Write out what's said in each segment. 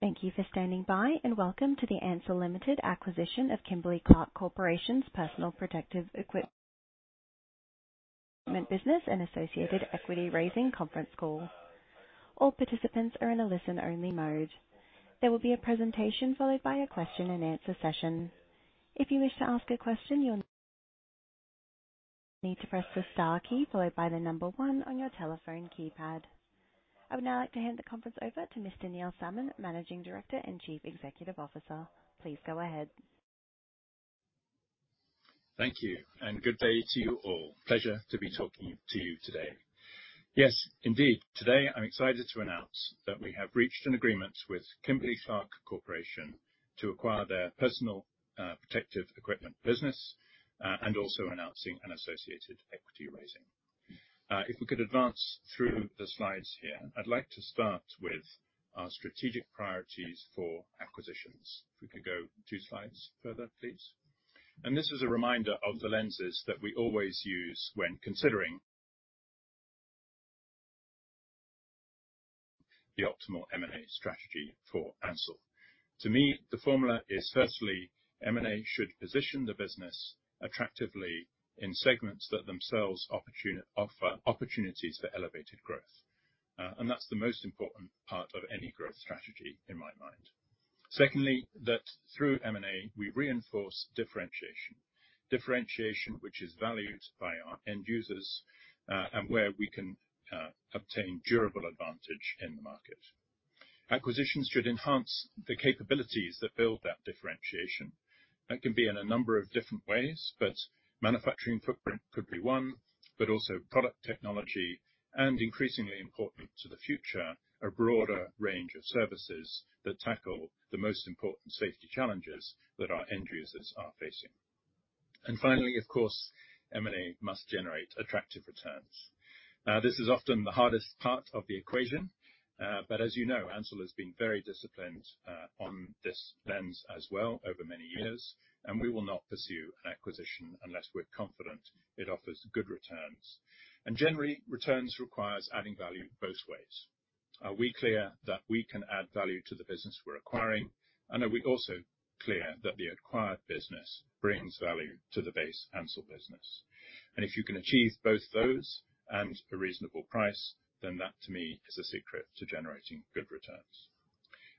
Thank you for standing by. And welcome to the Ansell Limited acquisition of Kimberly-Clark Corporation's personal protective equipment business and associated equity raising conference call. All participants are in a listen-only mode. There will be a presentation followed by a question-and-answer session. If you wish to ask a question, you'll need to press the star key followed by the number 1 on your telephone keypad. I would now like to hand the conference over to Mr. Neil Salmon, Managing Director and Chief Executive Officer. Please go ahead. Thank you, and good day to you all. Pleasure to be talking to you today. Yes, indeed, today I'm excited to announce that we have reached an agreement with Kimberly-Clark Corporation to acquire their personal protective equipment business, and also announcing an associated equity raising. If we could advance through the slides here, I'd like to start with our strategic priorities for acquisitions. If we could go 2 slides further, please. And this is a reminder of the lenses that we always use when considering the optimal M&A strategy for Ansell. To me, the formula is, firstly, M&A should position the business attractively in segments that themselves offer opportunities for elevated growth. And that's the most important part of any growth strategy in my mind. Secondly, that through M&A we reinforce differentiation, differentiation which is valued by our end users, and where we can, obtain durable advantage in the market. Acquisitions should enhance the capabilities that build that differentiation. That can be in a number of different ways, but manufacturing footprint could be one, but also product technology, and increasingly important to the future, a broader range of services that tackle the most important safety challenges that our end users are facing. And finally, of course, M&A must generate attractive returns. This is often the hardest part of the equation, but as you know, Ansell has been very disciplined, on this lens as well over many years, and we will not pursue an acquisition unless we're confident it offers good returns. And generally, returns requires adding value both ways. Are we clear that we can add value to the business we're acquiring? Are we also clear that the acquired business brings value to the base Ansell business? If you can achieve both those and a reasonable price, then that, to me, is a secret to generating good returns.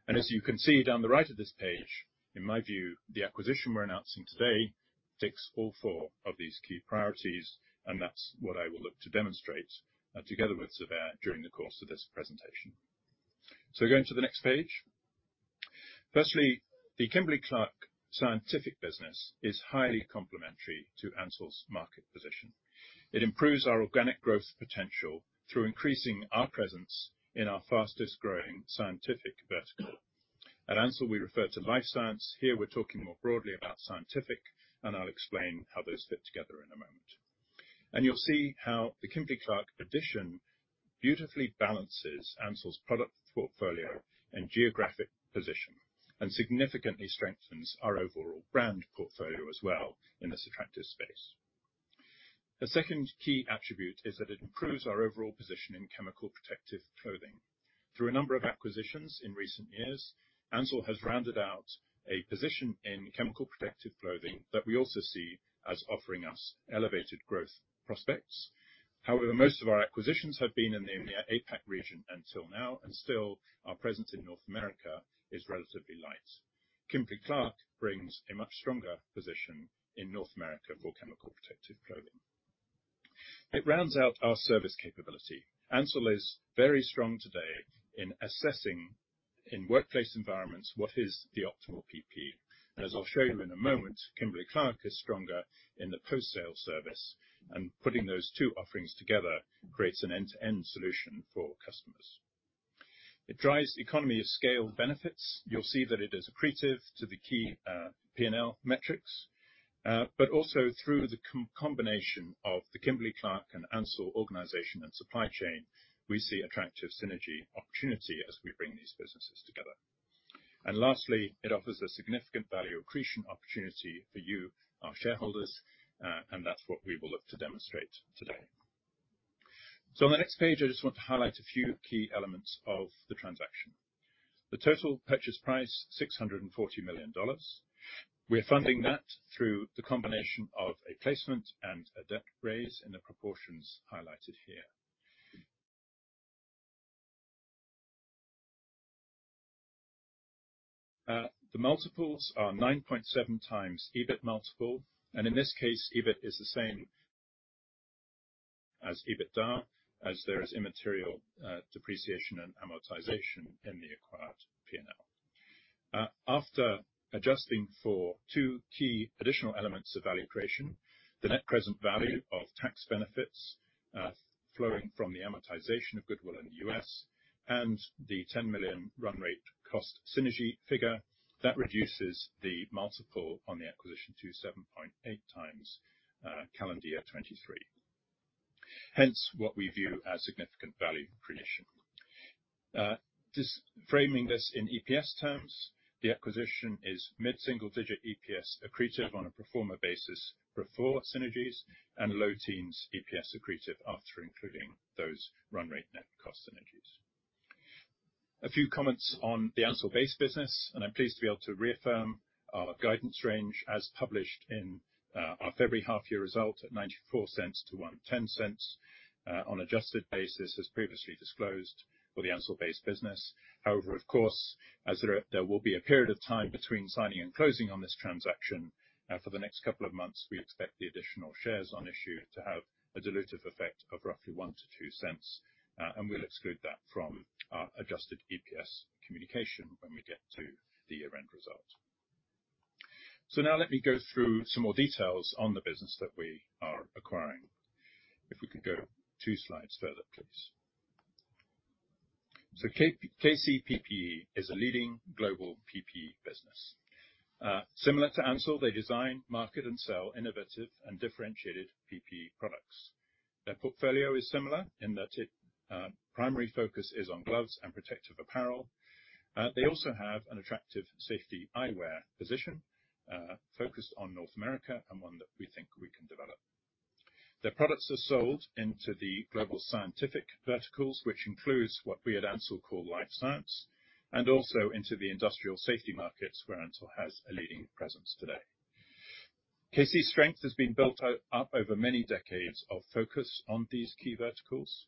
As you can see down the right of this page, in my view, the acquisition we're announcing today ticks all four of these key priorities, and that's what I will look to demonstrate, together with Zubair during the course of this presentation. Going to the next page. Firstly, the Kimberly-Clark scientific business is highly complementary to Ansell's market position. It improves our organic growth potential through increasing our presence in our fastest-growing scientific vertical. At Ansell, we refer to life science. Here we're talking more broadly about scientific, and I'll explain how those fit together in a moment. And you'll see how the Kimberly-Clark addition beautifully balances Ansell's product portfolio and geographic position and significantly strengthens our overall brand portfolio as well in this attractive space. A second key attribute is that it improves our overall position in chemical protective clothing. Through a number of acquisitions in recent years, Ansell has rounded out a position in chemical protective clothing that we also see as offering us elevated growth prospects. However, most of our acquisitions have been in the APAC region until now, and still, our presence in North America is relatively light. Kimberly-Clark brings a much stronger position in North America for chemical protective clothing. It rounds out our service capability. Ansell is very strong today in assessing in workplace environments what is the optimal PPE. As I'll show you in a moment, Kimberly-Clark is stronger in the post-sale service, and putting those two offerings together creates an end-to-end solution for customers. It drives economy of scale benefits. You'll see that it is accretive to the key P&L metrics, but also through the combination of the Kimberly-Clark and Ansell organization and supply chain, we see attractive synergy opportunity as we bring these businesses together. And lastly, it offers a significant value accretion opportunity for you, our shareholders, and that's what we will look to demonstrate today. On the next page, I just want to highlight a few key elements of the transaction. The total purchase price $640 million. We're funding that through the combination of a placement and a debt raise in the proportions highlighted here. The multiples are 9.7x EBIT multiple, and in this case, EBIT is the same as EBITDA as there is immaterial depreciation and amortization in the acquired P&L. After adjusting for two key additional elements of value creation, the net present value of tax benefits flowing from the amortization of goodwill in the U.S., and the $10 million run rate cost synergy figure, that reduces the multiple on the acquisition to 7.8x, calendar year 2023. Hence, what we view as significant value creation. Reframing this in EPS terms, the acquisition is mid-single digit EPS accretive on a pro forma basis before synergies and low-teens EPS accretive after including those run rate net cost synergies. A few comments on the Ansell base business, and I'm pleased to be able to reaffirm our guidance range as published in our February half-year result at 0.94-1.10, on adjusted basis, as previously disclosed, for the Ansell base business. However, of course, there will be a period of time between signing and closing on this transaction; for the next couple of months, we expect the additional shares on issue to have a dilutive effect of roughly 0.01-0.02, and we'll exclude that from our adjusted EPS communication when we get to the year-end result. So now let me go through some more details on the business that we are acquiring. If we could go 2 slides further, please. So KC PPE is a leading global PPE business, similar to Ansell; they design, market, and sell innovative and differentiated PPE products. Their portfolio is similar in that its primary focus is on gloves and protective apparel. They also have an attractive safety eyewear position, focused on North America and one that we think we can develop. Their products are sold into the global scientific verticals, which includes what we at Ansell call life science, and also into the industrial safety markets where Ansell has a leading presence today. KC's strength has been built up over many decades of focus on these key verticals.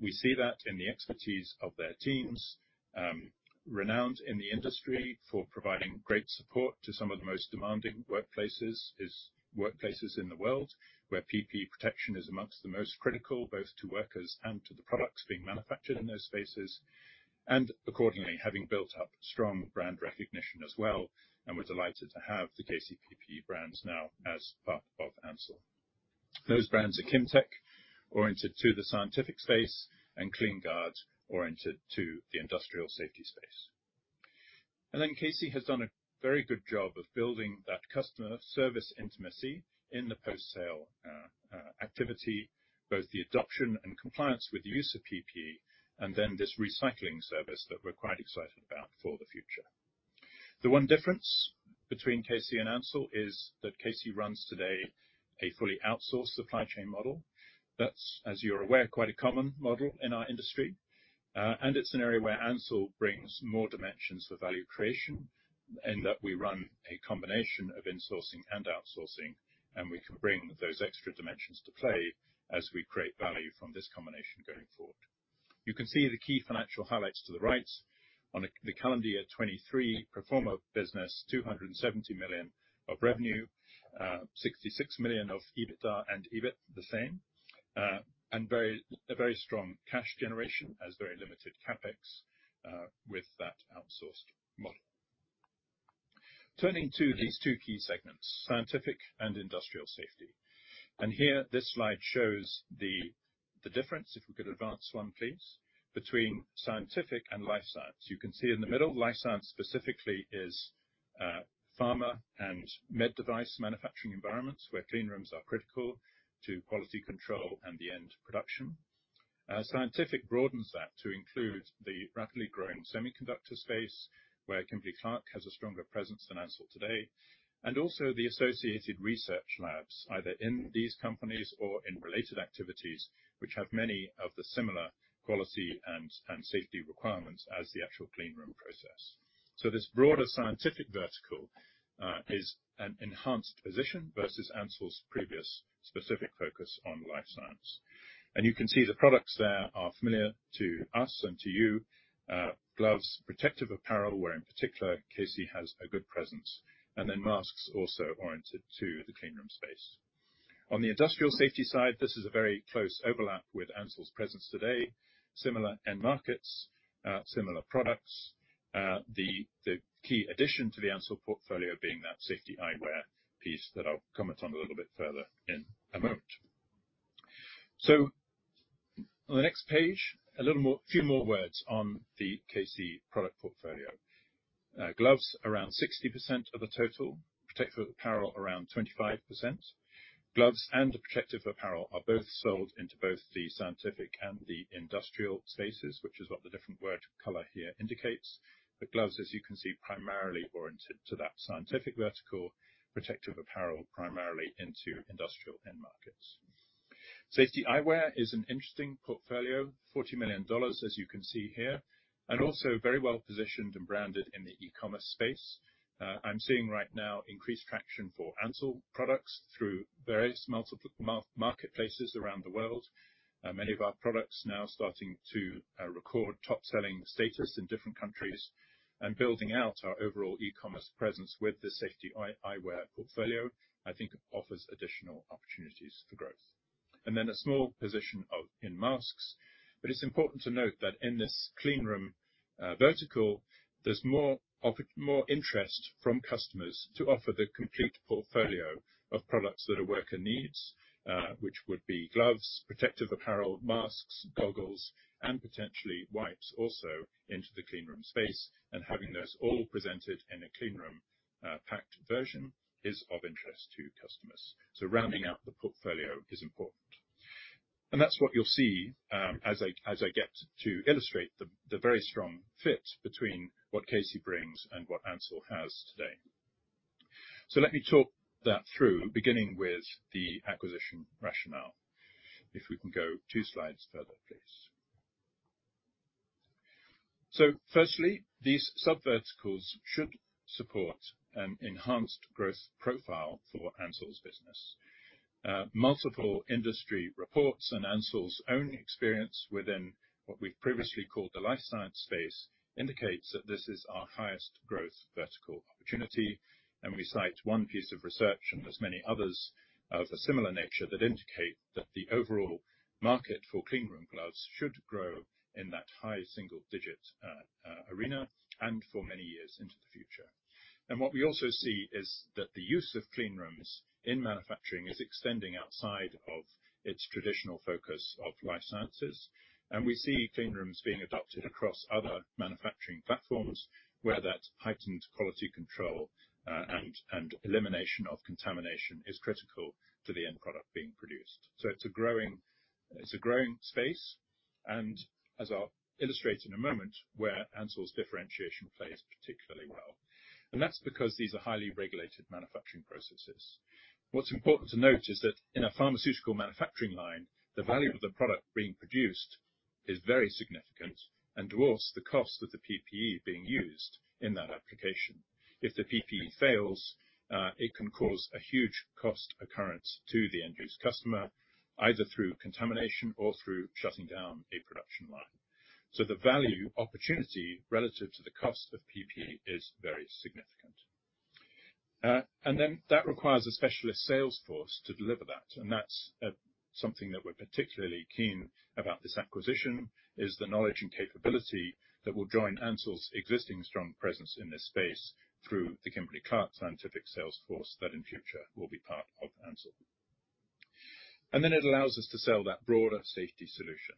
We see that in the expertise of their teams, renowned in the industry for providing great support to some of the most demanding workplaces in the world where PPE protection is among the most critical, both to workers and to the products being manufactured in those spaces, and accordingly, having built up strong brand recognition as well. We're delighted to have the KC PPE brands now as part of Ansell. Those brands are Kimtech, oriented to the scientific space, and KleenGuard, oriented to the industrial safety space. Then KC has done a very good job of building that customer service intimacy in the post-sale activity, both the adoption and compliance with the use of PP, and then this recycling service that we're quite excited about for the future. The one difference between KC and Ansell is that KC runs today a fully outsourced supply chain model. That's, as you're aware, quite a common model in our industry, and it's an area where Ansell brings more dimensions for value creation in that we run a combination of insourcing and outsourcing, and we can bring those extra dimensions to play as we create value from this combination going forward. You can see the key financial highlights to the right. On the calendar year 2023, pro forma business, $270 million of revenue, $66 million of EBITDA and EBIT, the same, and a very strong cash generation as very limited CapEx, with that outsourced model. Turning to these two key segments, scientific and industrial safety. Here, this slide shows the difference. If we could advance one, please, between scientific and life science. You can see in the middle, life science specifically is pharma and med-device manufacturing environments where clean rooms are critical to quality control and the end production. Scientific broadens that to include the rapidly growing semiconductor space where Kimberly-Clark has a stronger presence than Ansell today, and also the associated research labs, either in these companies or in related activities, which have many of the similar quality and safety requirements as the actual clean room process. So this broader scientific vertical is an enhanced position versus Ansell's previous specific focus on life science. And you can see the products there are familiar to us and to you, gloves, protective apparel where in particular KC has a good presence, and then masks also oriented to the clean room space. On the industrial safety side, this is a very close overlap with Ansell's presence today, similar end markets, similar products, the key addition to the Ansell portfolio being that safety eyewear piece that I'll comment on a little bit further in a moment. So on the next page, a little more, a few more words on the KC product portfolio. Gloves, around 60% of the total, protective apparel, around 25%. Gloves and protective apparel are both sold into both the scientific and the industrial spaces, which is what the different word color here indicates. But gloves, as you can see, primarily oriented to that scientific vertical, protective apparel primarily into industrial end markets. Safety eyewear is an interesting portfolio, $40 million, as you can see here, and also very well positioned and branded in the e-commerce space. I'm seeing right now increased traction for Ansell products through various multiple marketplaces around the world. Many of our products now starting to record top-selling status in different countries and building out our overall e-commerce presence with this safety eyewear portfolio, I think, offers additional opportunities for growth. And then a small position in masks. But it's important to note that in this clean room vertical, there's more interest from customers to offer the complete portfolio of products that a worker needs, which would be gloves, protective apparel, masks, goggles, and potentially wipes also into the clean room space, and having those all presented in a clean room packed version is of interest to customers. So rounding out the portfolio is important. And that's what you'll see, as I get to illustrate the very strong fit between what KC brings and what Ansell has today. So let me talk that through, beginning with the acquisition rationale. If we can go two slides further, please. So firstly, these subverticals should support an enhanced growth profile for Ansell's business. Multiple industry reports and Ansell's own experience within what we've previously called the life science space indicates that this is our highest growth vertical opportunity, and we cite one piece of research and there's many others of a similar nature that indicate that the overall market for clean room gloves should grow in that high single digit arena and for many years into the future. What we also see is that the use of clean rooms in manufacturing is extending outside of its traditional focus of life sciences, and we see clean rooms being adopted across other manufacturing platforms where that heightened quality control and elimination of contamination is critical to the end product being produced. So it's a growing space, and as I'll illustrate in a moment, where Ansell's differentiation plays particularly well. That's because these are highly regulated manufacturing processes. What's important to note is that in a pharmaceutical manufacturing line, the value of the product being produced is very significant and dwarfs the cost of the PPE being used in that application. If the PPE fails, it can cause a huge cost occurrence to the end-use customer, either through contamination or through shutting down a production line. So the value opportunity relative to the cost of PPE is very significant. And then that requires a specialist sales force to deliver that, and that's, something that we're particularly keen about this acquisition, is the knowledge and capability that will join Ansell's existing strong presence in this space through the Kimberly-Clark scientific sales force that in future will be part of Ansell. And then it allows us to sell that broader safety solution,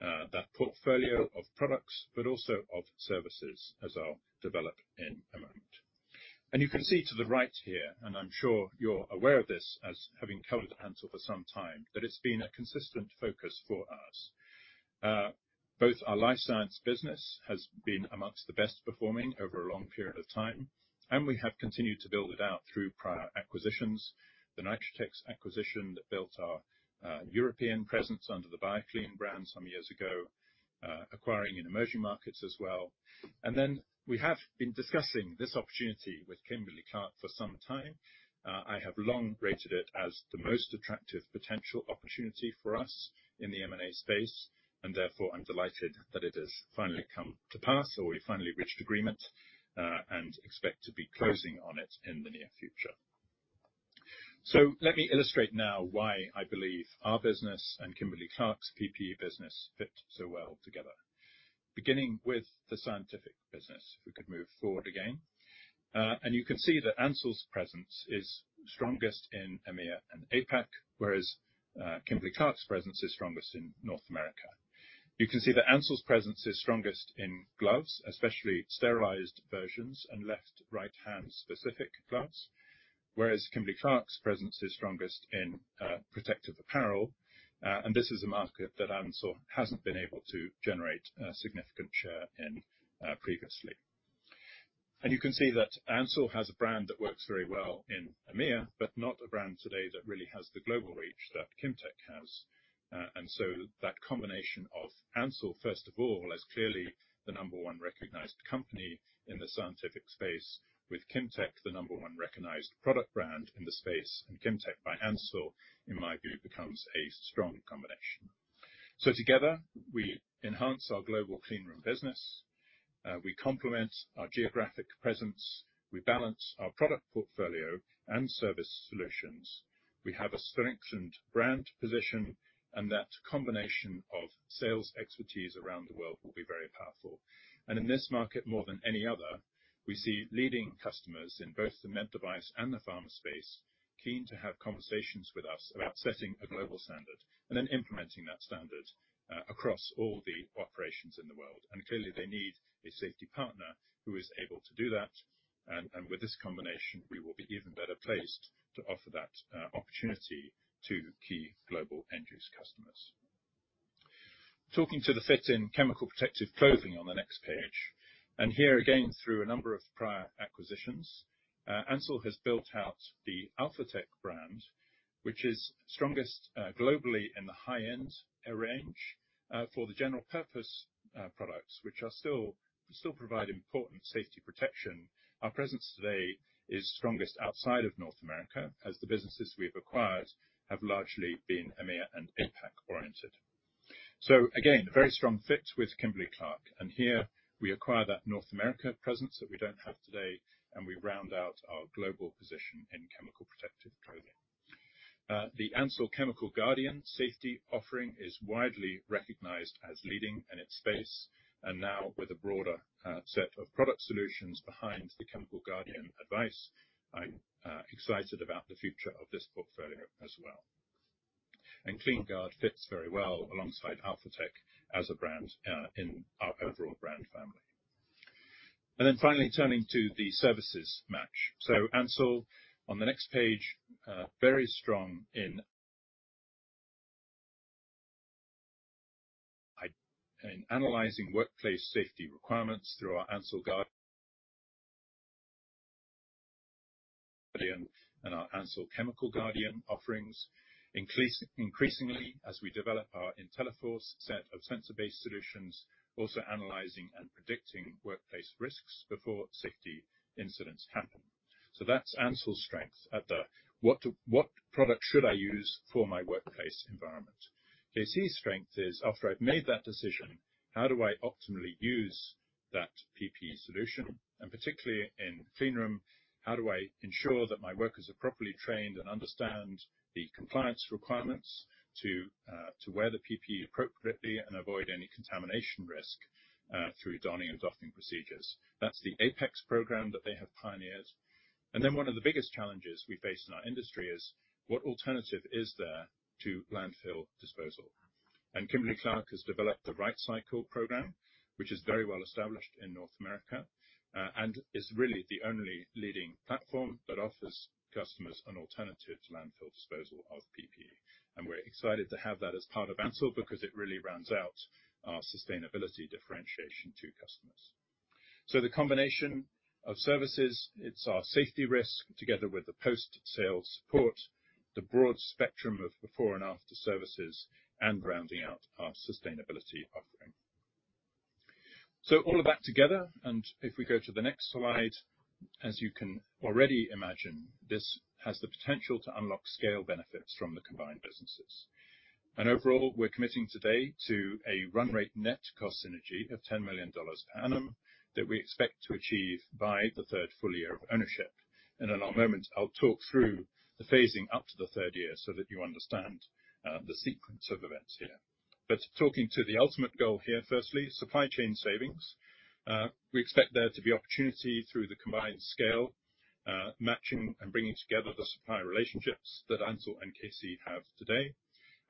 that portfolio of products but also of services as I'll develop in a moment. And you can see to the right here, and I'm sure you're aware of this as having covered Ansell for some time, that it's been a consistent focus for us. Both our life science business has been amongst the best performing over a long period of time, and we have continued to build it out through prior acquisitions, the Nitritex acquisition that built our European presence under the BioClean brand some years ago, acquiring in emerging markets as well. And then we have been discussing this opportunity with Kimberly-Clark for some time. I have long rated it as the most attractive potential opportunity for us in the M&A space, and therefore, I'm delighted that it has finally come to pass or we've finally reached agreement, and expect to be closing on it in the near future. So let me illustrate now why I believe our business and Kimberly-Clark's PPE business fit so well together, beginning with the scientific business, if we could move forward again. And you can see that Ansell's presence is strongest in EMEA and APAC, whereas Kimberly-Clark's presence is strongest in North America. You can see that Ansell's presence is strongest in gloves, especially sterilized versions and left-right-hand specific gloves, whereas Kimberly-Clark's presence is strongest in protective apparel, and this is a market that Ansell hasn't been able to generate significant share in previously. And you can see that Ansell has a brand that works very well in EMEA but not a brand today that really has the global reach that Kimtech has. So that combination of Ansell, first of all, as clearly the number one recognized company in the scientific space, with Kimtech, the number one recognized product brand in the space, and Kimtech by Ansell, in my view, becomes a strong combination. So together, we enhance our global cleanroom business, we complement our geographic presence, we balance our product portfolio and service solutions, we have a strengthened brand position, and that combination of sales expertise around the world will be very powerful. In this market, more than any other, we see leading customers in both the med-device and the pharma space keen to have conversations with us about setting a global standard and then implementing that standard, across all the operations in the world. Clearly, they need a safety partner who is able to do that, and with this combination, we will be even better placed to offer that opportunity to key global end-use customers. Talking to the fit in chemical protective clothing on the next page. Here again, through a number of prior acquisitions, Ansell has built out the AlphaTec brand, which is strongest globally in the high-end range for the general-purpose products, which are still provide important safety protection. Our presence today is strongest outside of North America as the businesses we have acquired have largely been EMEA and APAC oriented. Again, a very strong fit with Kimberly-Clark, and here we acquire that North America presence that we don't have today, and we round out our global position in chemical protective clothing. The Ansell Chemical Guardian safety offering is widely recognized as leading in its space, and now with a broader set of product solutions behind the Chemical Guardian advice, I'm excited about the future of this portfolio as well. KleenGuard fits very well alongside AlphaTec as a brand in our overall brand family. Then finally, turning to the services match. So Ansell, on the next page, very strong in analyzing workplace safety requirements through our Ansell Guardian and our Ansell Chemical Guardian offerings, increasingly as we develop our Intelliforz set of sensor-based solutions, also analyzing and predicting workplace risks before safety incidents happen. So that's Ansell's strength at the what to what product should I use for my workplace environment? KC's strength is after I've made that decision, how do I optimally use that PPE solution? Particularly in cleanroom, how do I ensure that my workers are properly trained and understand the compliance requirements to wear the PPE appropriately and avoid any contamination risk, through donning and doffing procedures? That's the APEX program that they have pioneered. Then one of the biggest challenges we face in our industry is, what alternative is there to landfill disposal? Kimberly-Clark has developed the RightCycle program, which is very well established in North America, and is really the only leading platform that offers customers an alternative to landfill disposal of PPE. We're excited to have that as part of Ansell because it really rounds out our sustainability differentiation to customers. The combination of services, it's our safety risk together with the post-sales support, the broad spectrum of before and after services, and rounding out our sustainability offering. All of that together, and if we go to the next slide, as you can already imagine, this has the potential to unlock scale benefits from the combined businesses. Overall, we're committing today to a run-rate net cost synergy of $10 million per annum that we expect to achieve by the third full year of ownership. And in a moment, I'll talk through the phasing up to the third year so that you understand the sequence of events here. But talking to the ultimate goal here, firstly, supply chain savings. We expect there to be opportunity through the combined scale, matching and bringing together the supply relationships that Ansell and KC have today,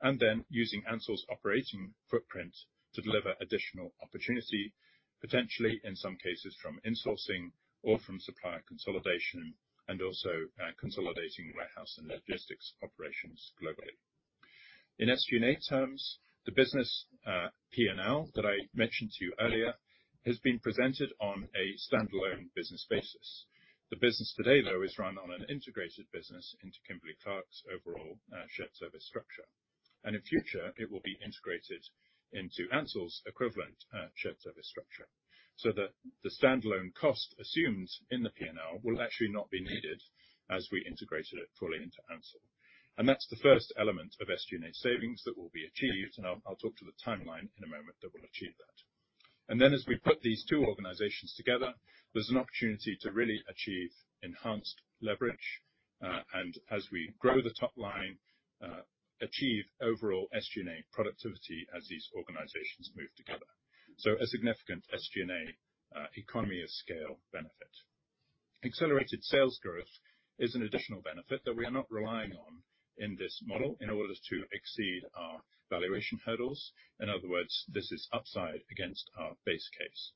and then using Ansell's operating footprint to deliver additional opportunity, potentially in some cases from insourcing or from supplier consolidation and also consolidating warehouse and logistics operations globally. In SG&A terms, the business P&L that I mentioned to you earlier has been presented on a standalone business basis. The business today, though, is run on an integrated business into Kimberly-Clark's overall, shared service structure. In future, it will be integrated into Ansell's equivalent, shared service structure so that the standalone cost assumed in the P&L will actually not be needed as we integrated it fully into Ansell. That's the first element of SG&A savings that will be achieved, and I'll, I'll talk to the timeline in a moment that will achieve that. Then as we put these two organizations together, there's an opportunity to really achieve enhanced leverage, and as we grow the top line, achieve overall SG&A productivity as these organizations move together, so a significant SG&A economy of scale benefit. Accelerated sales growth is an additional benefit that we are not relying on in this model in order to exceed our valuation hurdles. In other words, this is upside against our base case.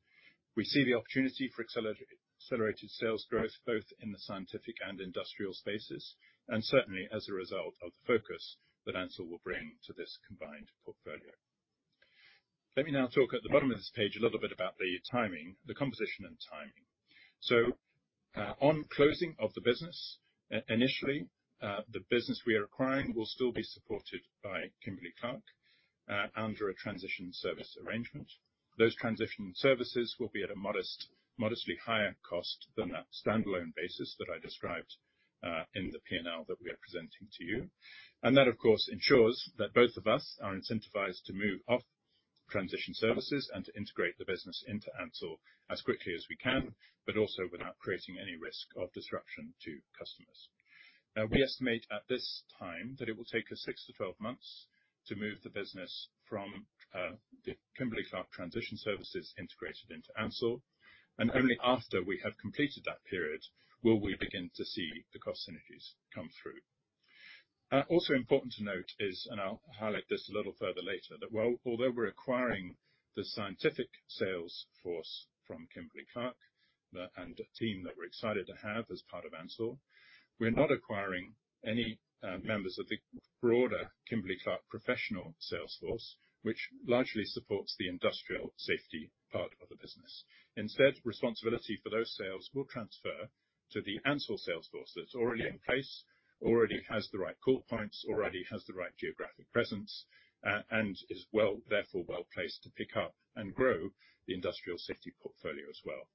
We see the opportunity for accelerated sales growth both in the scientific and industrial spaces and certainly as a result of the focus that Ansell will bring to this combined portfolio. Let me now talk at the bottom of this page a little bit about the timing, the composition and timing. So, on closing of the business, initially, the business we are acquiring will still be supported by Kimberly-Clark, under a transition service arrangement. Those transition services will be at a modest modestly higher cost than that standalone basis that I described, in the P&L that we are presenting to you. That, of course, ensures that both of us are incentivized to move off transition services and to integrate the business into Ansell as quickly as we can but also without creating any risk of disruption to customers. We estimate at this time that it will take us 6-12 months to move the business from, the Kimberly-Clark transition services integrated into Ansell, and only after we have completed that period will we begin to see the cost synergies come through. Also important to note is, and I'll highlight this a little further later, that while although we're acquiring the scientific sales force from Kimberly-Clark, the and a team that we're excited to have as part of Ansell, we're not acquiring any, members of the broader Kimberly-Clark Professional sales force, which largely supports the industrial safety part of the business. Instead, responsibility for those sales will transfer to the Ansell sales force that's already in place, already has the right call points, already has the right geographic presence, and is well therefore well placed to pick up and grow the industrial safety portfolio as well.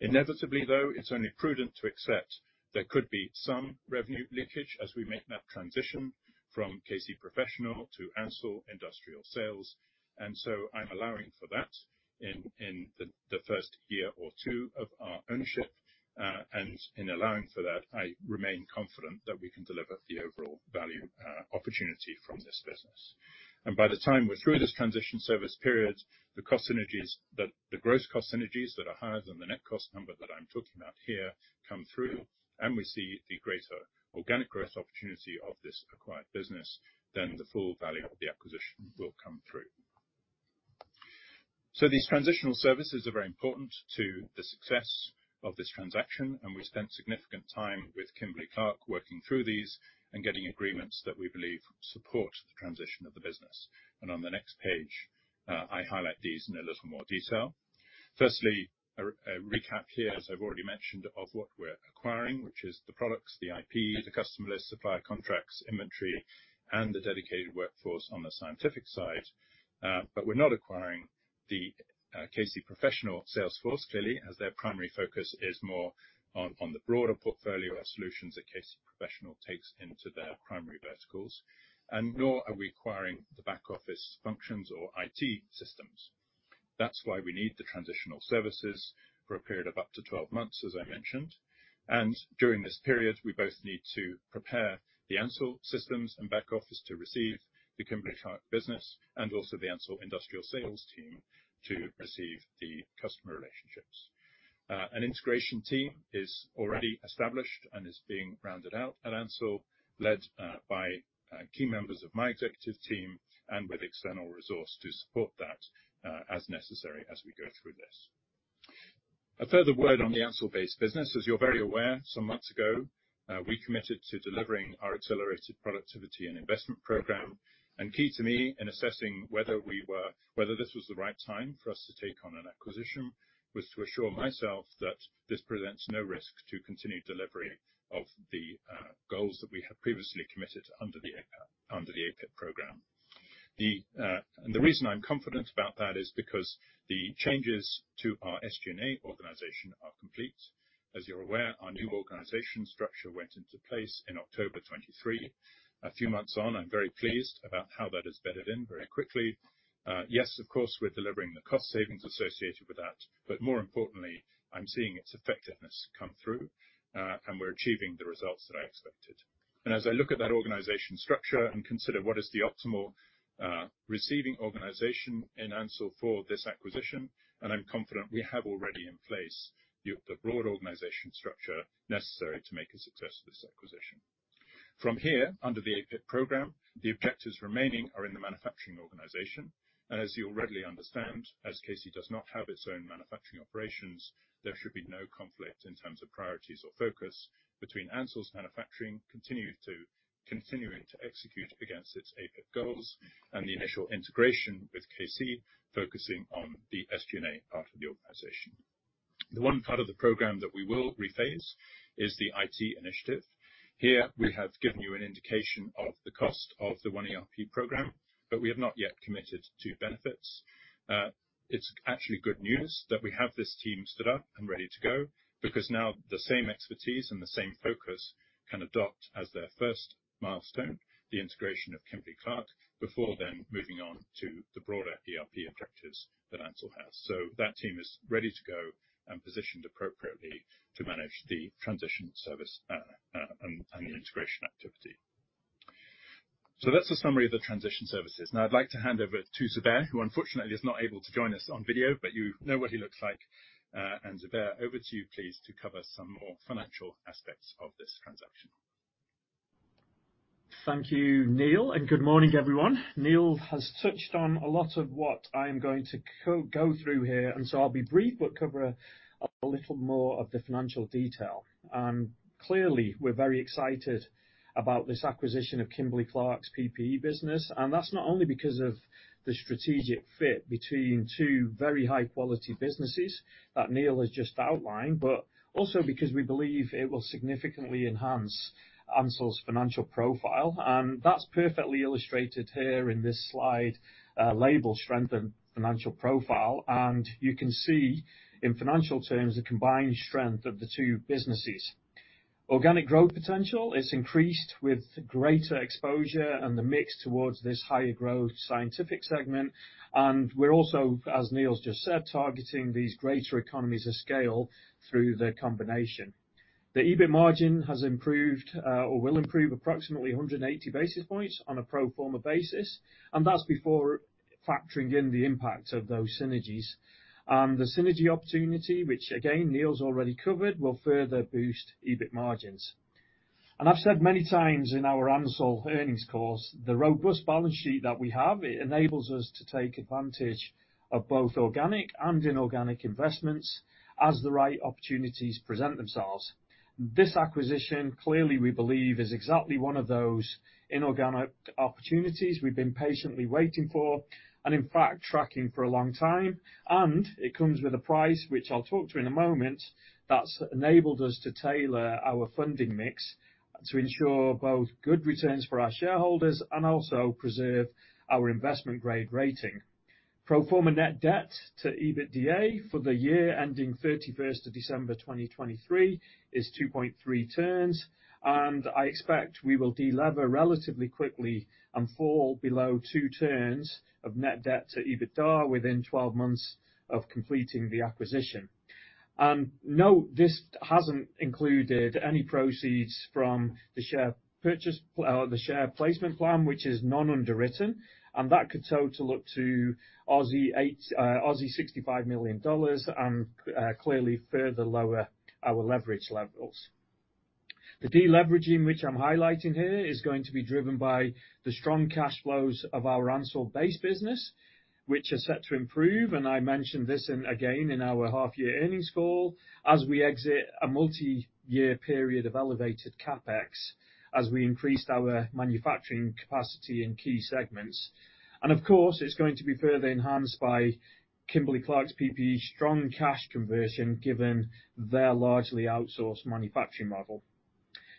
Inevitably, though, it's only prudent to accept there could be some revenue leakage as we make that transition from KC Professional to Ansell Industrial Sales, and so I'm allowing for that in the first year or two of our ownership, and in allowing for that, I remain confident that we can deliver the overall value, opportunity from this business. By the time we're through this transition service period, the cost synergies that the gross cost synergies that are higher than the net cost number that I'm talking about here come through, and we see the greater organic growth opportunity of this acquired business, then the full value of the acquisition will come through. So these transitional services are very important to the success of this transaction, and we spent significant time with Kimberly-Clark working through these and getting agreements that we believe support the transition of the business. On the next page, I highlight these in a little more detail. Firstly, a recap here, as I've already mentioned, of what we're acquiring, which is the products, the IP, the customer list, supplier contracts, inventory, and the dedicated workforce on the scientific side. But we're not acquiring the KC Professional sales force clearly as their primary focus is more on the broader portfolio of solutions that KC Professional takes into their primary verticals, and nor are we acquiring the back office functions or IT systems. That's why we need the transitional services for a period of up to 12 months, as I mentioned. And during this period, we both need to prepare the Ansell systems and back office to receive the Kimberly-Clark business and also the Ansell Industrial Sales team to receive the customer relationships. An integration team is already established and is being rounded out at Ansell, led by key members of my executive team and with external resource to support that, as necessary as we go through this. A further word on the Ansell base business. As you're very aware, some months ago, we committed to delivering our accelerated productivity and investment program, and key to me in assessing whether we were whether this was the right time for us to take on an acquisition was to assure myself that this presents no risk to continued delivery of the goals that we had previously committed under the APAC under the APIP program. The, and the reason I'm confident about that is because the changes to our SG&A organization are complete. As you're aware, our new organization structure went into place in October 2023. A few months on, I'm very pleased about how that has bedded in very quickly. Yes, of course, we're delivering the cost savings associated with that, but more importantly, I'm seeing its effectiveness come through, and we're achieving the results that I expected. As I look at that organization structure and consider what is the optimal receiving organization in Ansell for this acquisition, and I'm confident we have already in place the broad organization structure necessary to make a success of this acquisition. From here, under the APIP program, the objectives remaining are in the manufacturing organization, and as you already understand, as KC does not have its own manufacturing operations, there should be no conflict in terms of priorities or focus between Ansell's manufacturing continuing to execute against its APIP goals and the initial integration with KC focusing on the SG&A part of the organization. The one part of the program that we will rephase is the IT initiative. Here, we have given you an indication of the cost of the One ERP program, but we have not yet committed to benefits. It's actually good news that we have this team stood up and ready to go because now the same expertise and the same focus can adopt as their first milestone the integration of Kimberly-Clark before then moving on to the broader ERP objectives that Ansell has. So that team is ready to go and positioned appropriately to manage the transition service, and the integration activity. So that's a summary of the transition services. Now, I'd like to hand over to Zubair, who unfortunately is not able to join us on video, but you know what he looks like. And Zubair, over to you, please, to cover some more financial aspects of this transaction. Thank you, Neil, and good morning, everyone. Neil has touched on a lot of what I am going to go through here, and so I'll be brief but cover a little more of the financial detail. Clearly, we're very excited about this acquisition of Kimberly-Clark's PPE business, and that's not only because of the strategic fit between two very high-quality businesses that Neil has just outlined but also because we believe it will significantly enhance Ansell's financial profile. And that's perfectly illustrated here in this slide, labeled "Strengthened Financial Profile," and you can see in financial terms the combined strength of the two businesses. Organic growth potential, it's increased with greater exposure and the mix towards this higher growth scientific segment, and we're also, as Neil's just said, targeting these greater economies of scale through the combination. The EBIT margin has improved, or will improve approximately 180 basis points on a pro forma basis, and that's before factoring in the impact of those synergies. The synergy opportunity, which again, Neil's already covered, will further boost EBIT margins. I've said many times in our Ansell earnings course, the robust balance sheet that we have, it enables us to take advantage of both organic and inorganic investments as the right opportunities present themselves. This acquisition, clearly, we believe, is exactly one of those inorganic opportunities we've been patiently waiting for and, in fact, tracking for a long time, and it comes with a price, which I'll talk to in a moment, that's enabled us to tailor our funding mix to ensure both good returns for our shareholders and also preserve our investment-grade rating. Pro forma net debt to EBITDA for the year ending 31st of December 2023 is 2.3 turns, and I expect we will delever relatively quickly and fall below 2 turns of net debt to EBITDA within 12 months of completing the acquisition. Note, this hasn't included any proceeds from the share purchase plan or the share placement plan, which is non-underwritten, and that could total up to 65 million Aussie dollars and, clearly, further lower our leverage levels. The deleveraging, which I'm highlighting here, is going to be driven by the strong cash flows of our Ansell base business, which are set to improve, and I mentioned this again in our half-year earnings call as we exit a multi-year period of elevated CapEx as we increase our manufacturing capacity in key segments. And of course, it's going to be further enhanced by Kimberly-Clark's PPE strong cash conversion given their largely outsourced manufacturing model.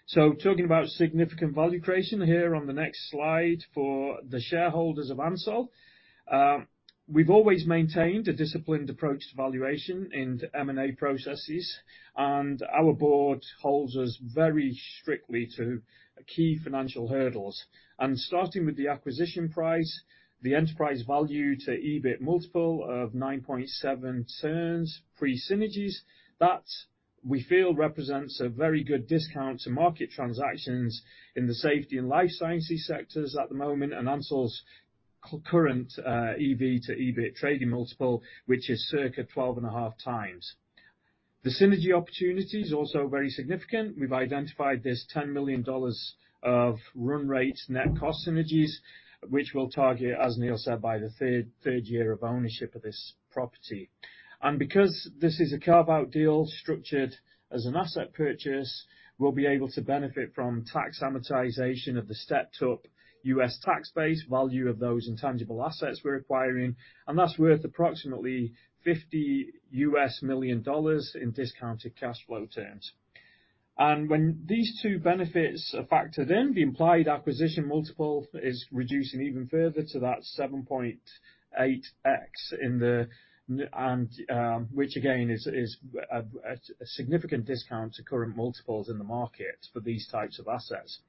So talking about significant value creation here on the next slide for the shareholders of Ansell, we've always maintained a disciplined approach to valuation and M&A processes, and our board holds us very strictly to key financial hurdles. And starting with the acquisition price, the enterprise value to EBIT multiple of 9.7x pre-synergies, that, we feel, represents a very good discount to market transactions in the safety and life sciences sectors at the moment and Ansell's current EV to EBIT trading multiple, which is circa 12.5x. The synergy opportunity's also very significant. We've identified this $10 million of run rates net cost synergies, which we'll target, as Neil said, by the third year of ownership of this property. Because this is a carve-out deal structured as an asset purchase, we'll be able to benefit from tax amortization of the stepped-up US tax base value of those intangible assets we're acquiring, and that's worth approximately $50 million in discounted cash flow terms. When these two benefits are factored in, the implied acquisition multiple is reducing even further to that 7.8x in the end, which again is a significant discount to current multiples in the market for these types of assets.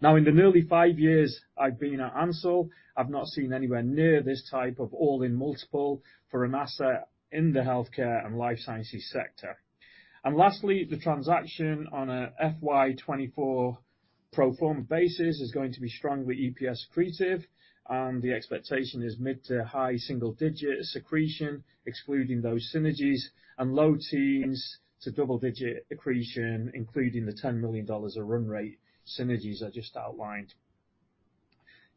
Now, in the nearly five years I've been at Ansell, I've not seen anywhere near this type of all-in multiple for an asset in the healthcare and life sciences sector. Lastly, the transaction on a FY 2024 pro forma basis is going to be strongly EPS accretive, and the expectation is mid- to high single-digit accretion, excluding those synergies, and low teens to double-digit accretion, including the $10 million of run rate synergies I just outlined.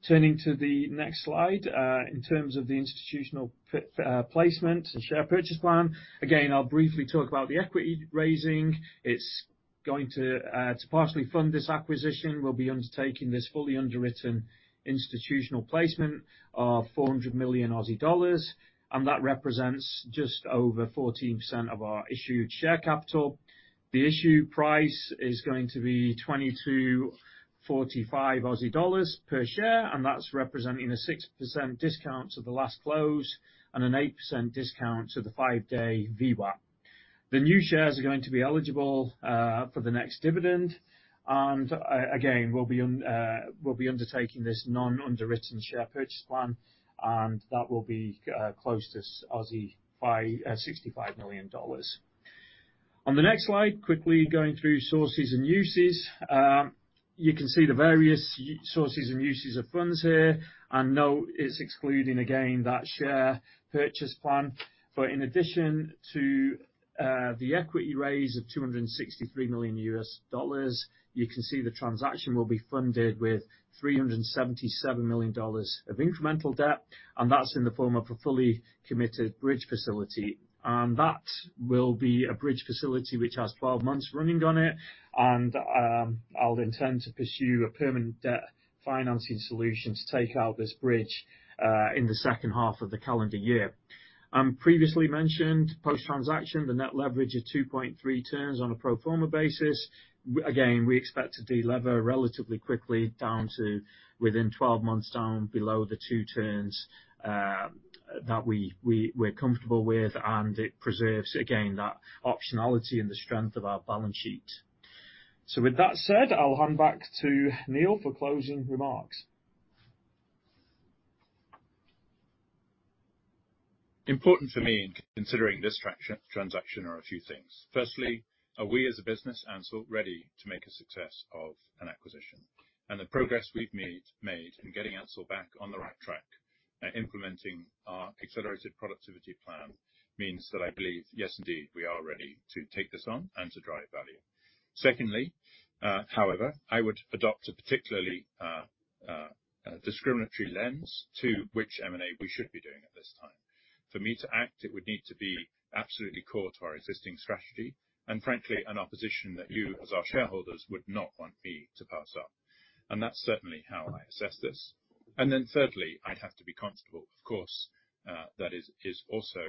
Turning to the next slide, in terms of the institutional placement and share purchase plan, again, I'll briefly talk about the equity raising. It's going to partially fund this acquisition. We'll be undertaking this fully underwritten institutional placement of 400 million Aussie dollars, and that represents just over 14% of our issued share capital. The issue price is going to be 22.45 Aussie dollars per share, and that's representing a 6% discount to the last close and an 8% discount to the five-day VWAP. The new shares are going to be eligible for the next dividend, and, again, we'll be undertaking this non-underwritten share purchase plan, and that will be close to 565 million dollars. On the next slide, quickly going through sources and uses, you can see the various sources and uses of funds here, and note, it's excluding again that share purchase plan. But in addition to the equity raise of AUD 263 million, you can see the transaction will be funded with 377 million dollars of incremental debt, and that's in the form of a fully committed bridge facility. And that will be a bridge facility which has 12 months running on it, and I'll intend to pursue a permanent debt financing solution to take out this bridge, in the second half of the calendar year. previously mentioned, post-transaction, the net leverage of 2.3 turns on a pro forma basis. Well, again, we expect to delever relatively quickly down to within 12 months down below the 2 turns that we're comfortable with, and it preserves, again, that optionality and the strength of our balance sheet. So with that said, I'll hand back to Neil for closing remarks. Important for me in considering this transaction are a few things. Firstly, are we as a business, Ansell, ready to make a success of an acquisition? And the progress we've made in getting Ansell back on the right track, implementing our accelerated productivity plan means that I believe, yes, indeed, we are ready to take this on and to drive value. Secondly, however, I would adopt a particularly discriminating lens to which M&A we should be doing at this time. For me to act, it would need to be absolutely core to our existing strategy and, frankly, an opportunity that you as our shareholders would not want me to pass up. And that's certainly how I assess this. And then thirdly, I'd have to be comfortable, of course, that is also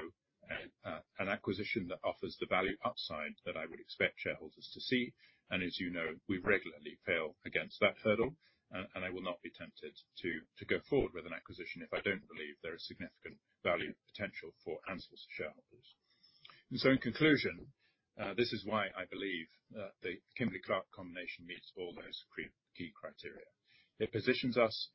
an acquisition that offers the value upside that I would expect shareholders to see. As you know, we regularly fail against that hurdle, and I will not be tempted to go forward with an acquisition if I don't believe there is significant value potential for Ansell's shareholders. So in conclusion, this is why I believe that the Kimberly-Clark combination meets all those key criteria. It positions us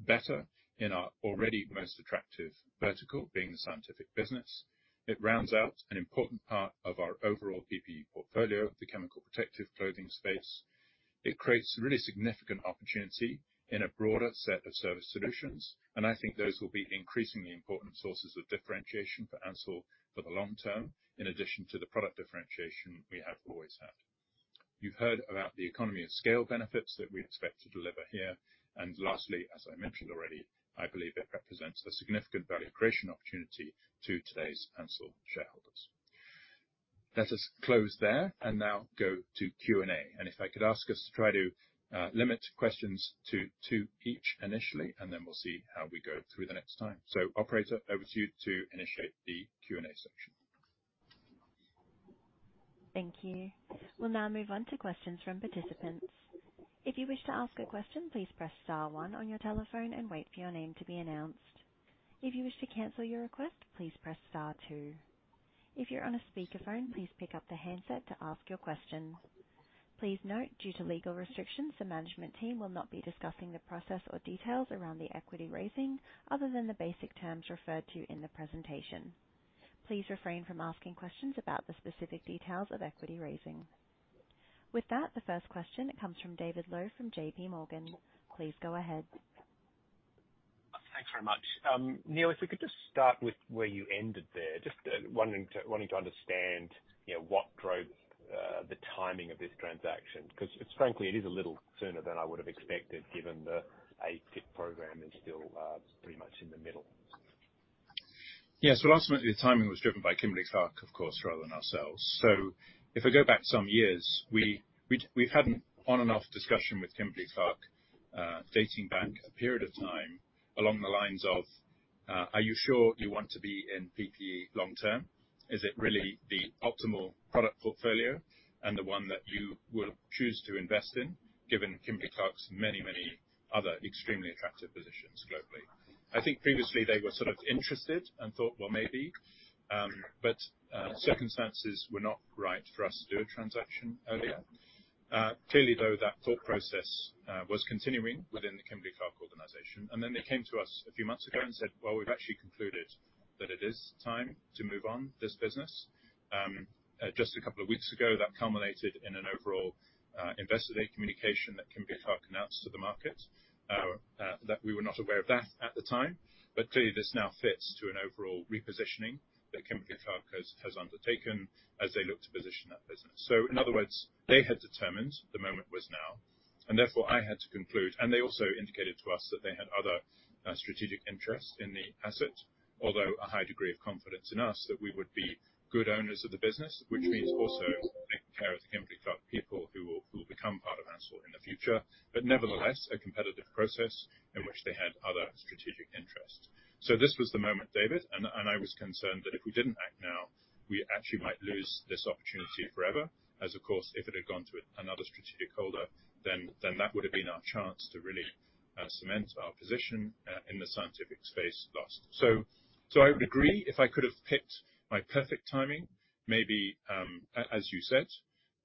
better in our already most attractive vertical, being the scientific business. It rounds out an important part of our overall PPE portfolio, the chemical protective clothing space. It creates really significant opportunity in a broader set of service solutions, and I think those will be increasingly important sources of differentiation for Ansell for the long term in addition to the product differentiation we have always had. You've heard about the economies of scale benefits that we expect to deliver here, and lastly, as I mentioned already, I believe it represents a significant value creation opportunity to today's Ansell shareholders. Let us close there and now go to Q&A, and if I could ask us to try to limit questions to two each initially, and then we'll see how we go through the next time. So operator, over to you to initiate the Q&A section. Thank you. We'll now move on to questions from participants. If you wish to ask a question, please press star one on your telephone and wait for your name to be announced. If you wish to cancel your request, please press star two. If you're on a speakerphone, please pick up the handset to ask your question. Please note, due to legal restrictions, the management team will not be discussing the process or details around the equity raising other than the basic terms referred to in the presentation. Please refrain from asking questions about the specific details of equity raising. With that, the first question comes from David Low from JPMorgan. Please go ahead. Thanks very much. Neil, if we could just start with where you ended there, just wanting to understand, you know, what drove the timing of this transaction 'cause it's frankly it is a little sooner than I would have expected given the APIP program is still pretty much in the middle. Yeah, so ultimately, the timing was driven by Kimberly-Clark, of course, rather than ourselves. So if I go back some years, we've had an on-and-off discussion with Kimberly-Clark, dating back a period of time along the lines of, "Are you sure you want to be in PPE long term? Is it really the optimal product portfolio and the one that you will choose to invest in given Kimberly-Clark's many, many other extremely attractive positions globally?" I think previously, they were sort of interested and thought, "Well, maybe," but circumstances were not right for us to do a transaction earlier. Clearly, though, that thought process was continuing within the Kimberly-Clark organization, and then they came to us a few months ago and said, "Well, we've actually concluded that it is time to move on this business." Just a couple of weeks ago, that culminated in an overall investor-day communication that Kimberly-Clark announced to the market. That we were not aware of that at the time, but clearly, this now fits to an overall repositioning that Kimberly-Clark has, has undertaken as they look to position that business. So in other words, they had determined the moment was now, and therefore, I had to conclude, and they also indicated to us that they had other strategic interests in the asset, although a high degree of confidence in us that we would be good owners of the business, which means also taking care of the Kimberly-Clark people who will become part of Ansell in the future, but nevertheless, a competitive process in which they had other strategic interests. So this was the moment, David, and I was concerned that if we didn't act now, we actually might lose this opportunity forever, as of course, if it had gone to another strategic holder, then that would have been our chance to really cement our position in the scientific space lost. So, I would agree if I could have picked my perfect timing, maybe, as you said,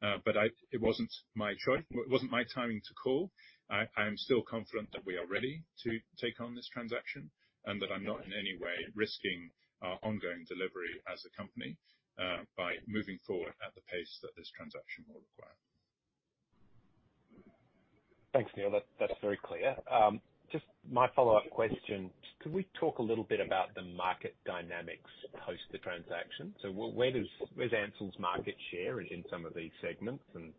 but it wasn't my choice, it wasn't my timing to call. I am still confident that we are ready to take on this transaction and that I'm not in any way risking our ongoing delivery as a company, by moving forward at the pace that this transaction will require. Thanks, Neil. That's very clear. Just my follow-up question, could we talk a little bit about the market dynamics post the transaction? So where's Ansell's market share in some of these segments, and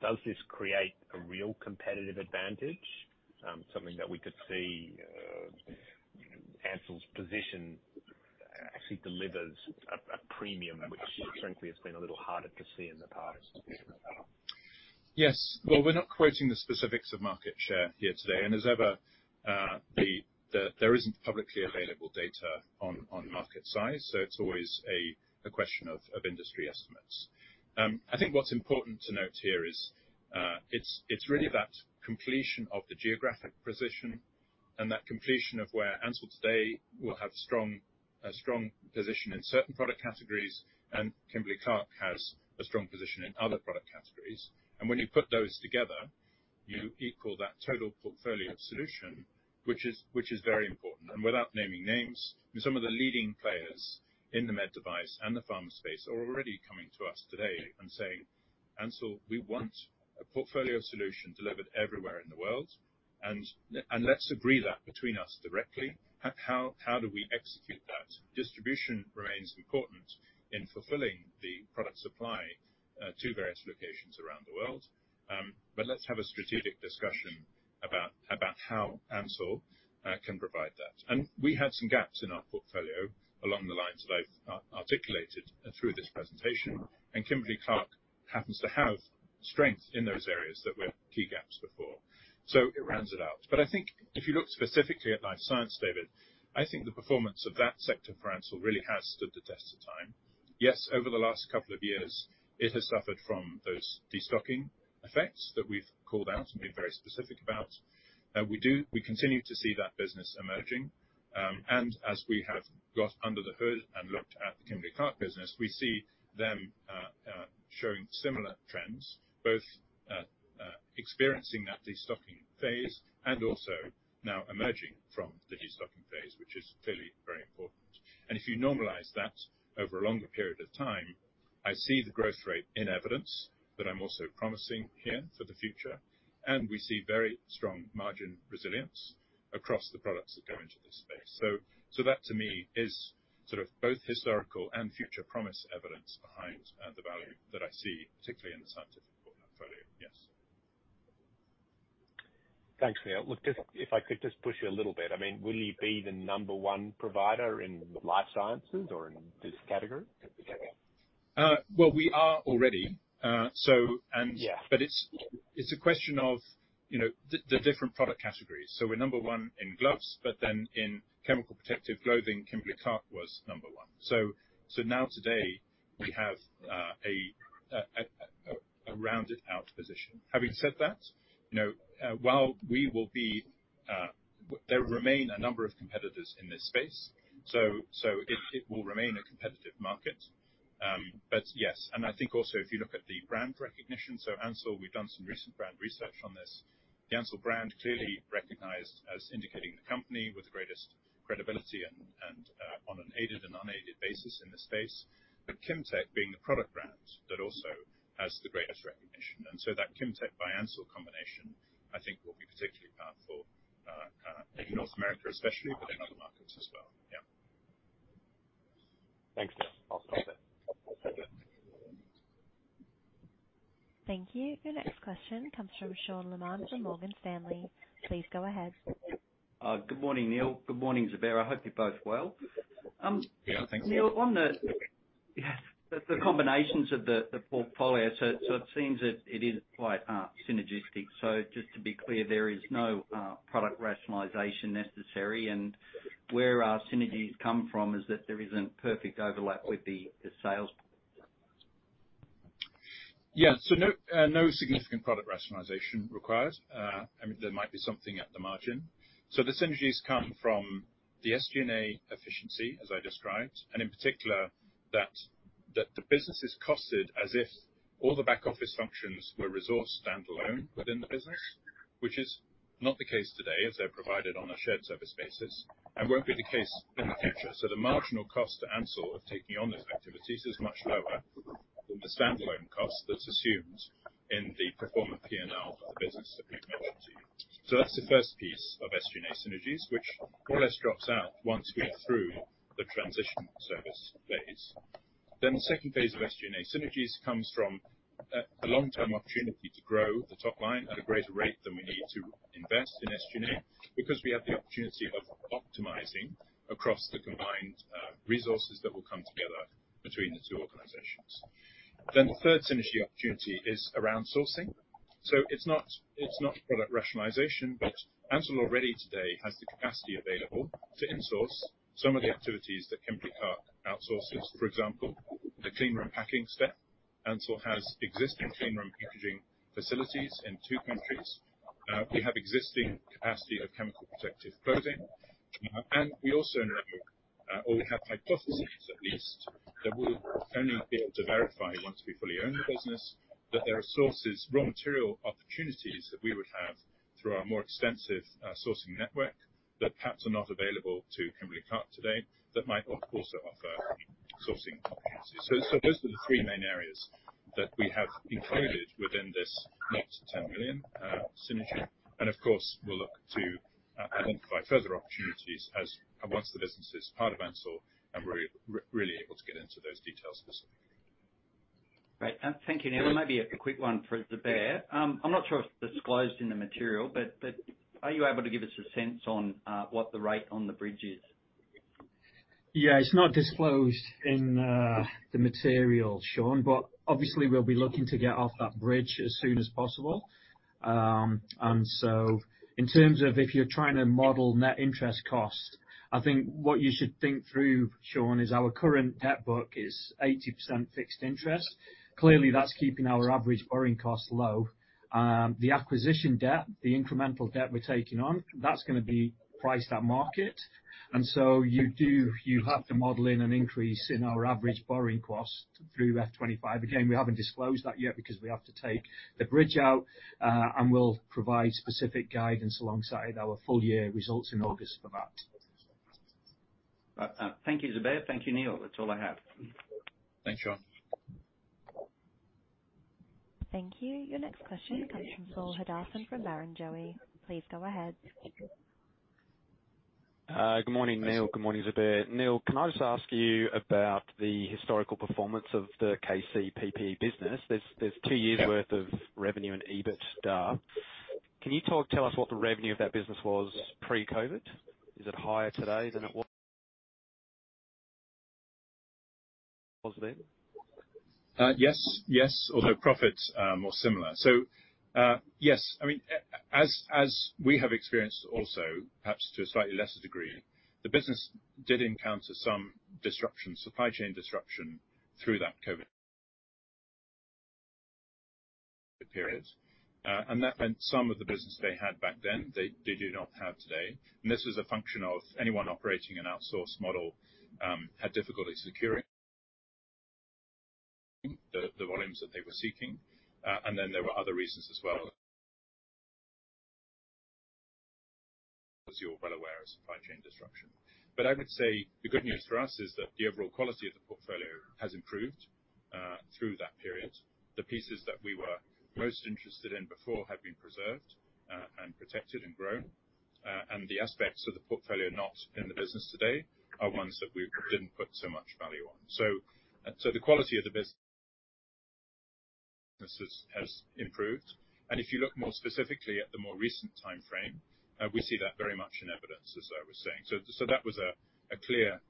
does this create a real competitive advantage, something that we could see, Ansell's position actually delivers a premium which, frankly, has been a little harder to see in the past? Yes. Well, we're not quoting the specifics of market share here today, and as ever, there isn't publicly available data on market size, so it's always a question of industry estimates. I think what's important to note here is, it's really that completion of the geographic position and that completion of where Ansell today will have a strong position in certain product categories, and Kimberly-Clark has a strong position in other product categories. And when you put those together, you equal that total portfolio solution, which is very important. And without naming names, I mean, some of the leading players in the med device and the pharma space are already coming to us today and saying, "Ansell, we want a portfolio solution delivered everywhere in the world, and let's agree that between us directly. How do we execute that?" Distribution remains important in fulfilling the product supply to various locations around the world, but let's have a strategic discussion about how Ansell can provide that. And we had some gaps in our portfolio along the lines that I've articulated through this presentation, and Kimberly-Clark happens to have strength in those areas that were key gaps before, so it rounds it out. But I think if you look specifically at life science, David, I think the performance of that sector for Ansell really has stood the test of time. Yes, over the last couple of years, it has suffered from those destocking effects that we've called out and been very specific about. We do we continue to see that business emerging, and as we have got under the hood and looked at the Kimberly-Clark business, we see them showing similar trends, both experiencing that destocking phase and also now emerging from the destocking phase, which is clearly very important. And if you normalize that over a longer period of time, I see the growth rate in evidence that I'm also promising here for the future, and we see very strong margin resilience across the products that go into this space. So, so that to me is sort of both historical and future promise evidence behind the value that I see, particularly in the scientific portfolio, yes. Thanks, Neil. Look, just if I could just push you a little bit, I mean, will you be the number one provider in life sciences or in this category? Well, we are already, so and. Yeah. But it's a question of, you know, the different product categories. So we're number one in gloves, but then in chemical protective clothing, Kimberly-Clark was number one. So now today, we have a rounded-out position. Having said that, you know, while there remain a number of competitors in this space, so it will remain a competitive market, but yes. And I think also, if you look at the brand recognition, so Ansell, we've done some recent brand research on this. The Ansell brand clearly recognized as indicating the company with the greatest credibility and, on an aided and unaided basis in this space, but Kimtech being the product brand that also has the greatest recognition. And so that Kimtech by Ansell combination, I think, will be particularly powerful, in North America especially, but in other markets as well, yeah. Thanks, Neil. I'll stop there. Thank you. Your next question comes from Sean Laaman from Morgan Stanley. Please go ahead. Good morning, Neil. Good morning, Zubair. I hope you're both well. Yeah, thanks. Neil, on the combinations of the portfolio, so it seems that it is quite synergistic. So just to be clear, there is no product rationalization necessary, and where our synergies come from is that there isn't perfect overlap with the sales patch. Yeah, so no, no significant product rationalization required. I mean, there might be something at the margin. So the synergies come from the SG&A efficiency, as I described, and in particular, that the business is costed as if all the back-office functions were resourced standalone within the business, which is not the case today as they're provided on a shared service basis and won't be the case in the future. So the marginal cost to Ansell of taking on those activities is much lower than the standalone cost that's assumed in the performance P&L for the business that we've mentioned to you. So that's the first piece of SG&A synergies, which more or less drops out once we are through the transition service phase. Then the second phase of SG&A synergies comes from a long-term opportunity to grow the top line at a greater rate than we need to invest in SG&A because we have the opportunity of optimizing across the combined resources that will come together between the two organizations. Then the third synergy opportunity is around sourcing. So it's not product rationalization, but Ansell already today has the capacity available to insource some of the activities that Kimberly-Clark outsources. For example, the cleanroom packing step. Ansell has existing cleanroom packaging facilities in two countries. We have existing capacity of chemical protective clothing, and we also know, or we have hypotheses at least that we'll only be able to verify once we fully own the business, that there are sourcing raw material opportunities that we would have through our more extensive sourcing network that perhaps are not available to Kimberly-Clark today that might also offer sourcing opportunities. So those are the three main areas that we have included within this net $10 million synergy, and of course, we'll look to identify further opportunities once the business is part of Ansell and we're really able to get into those details specifically. Great. Thank you, Neil. There might be a quick one for Zubair. I'm not sure if it's disclosed in the material, but are you able to give us a sense on what the rate on the bridge is? Yeah, it's not disclosed in the material, Sean, but obviously, we'll be looking to get off that bridge as soon as possible. So in terms of if you're trying to model net interest cost, I think what you should think through, Sean, is our current debt book is 80% fixed interest. Clearly, that's keeping our average borrowing cost low. The acquisition debt, the incremental debt we're taking on, that's gonna be priced at market, and so you do have to model in an increase in our average borrowing cost through F25. Again, we haven't disclosed that yet because we have to take the bridge out, and we'll provide specific guidance alongside our full-year results in August for that. Thank you, Zubair. Thank you, Neil. That's all I have. Thanks, Sean. Thank you. Your next question comes from Saul Hadassin from Barrenjoey. Please go ahead. Good morning, Neil. Good morning, Zubair. Neil, can I just ask you about the historical performance of the KC PPE business? There's two years' worth of revenue and EBITDA. Can you tell us what the revenue of that business was pre-COVID? Is it higher today than it was then? Yes, yes, although profits, more similar. So, yes, I mean, as we have experienced also, perhaps to a slightly lesser degree, the business did encounter some disruption, supply chain disruption through that COVID period, and that meant some of the business they had back then, they, they do not have today. And this was a function of anyone operating an outsourced model, had difficulty securing the volumes that they were seeking, and then there were other reasons as well as you're well aware of supply chain disruption. But I would say the good news for us is that the overall quality of the portfolio has improved, through that period. The pieces that we were most interested in before had been preserved, and protected and grown, and the aspects of the portfolio not in the business today are ones that we didn't put so much value on. So the quality of the business has improved, and if you look more specifically at the more recent timeframe, we see that very much in evidence, as I was saying. So that was a clear